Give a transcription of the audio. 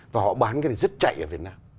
và họ bán cái này rất chạy ở việt nam